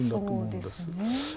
そうですね。